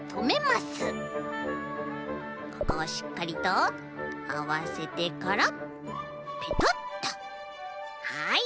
ここをしっかりとあわせてからペトッとはい！